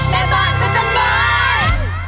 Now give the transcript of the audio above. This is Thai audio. แม่บ้านพระจันทร์บ้าน